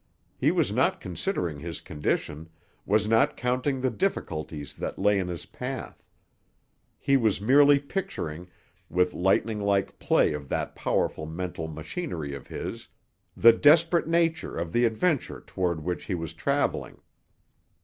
He was not considering his condition, was not counting the difficulties that lay in his path. He was merely picturing, with lightning like play of that powerful mental machinery of his, the desperate nature of the adventure toward which he was travelling.